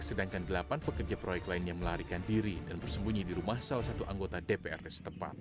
sedangkan delapan pekerja proyek lainnya melarikan diri dan bersembunyi di rumah salah satu anggota dprd setempat